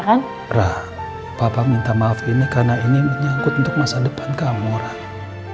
rara bapak minta maaf ini karena ini menyangkut untuk masa depan kamu rara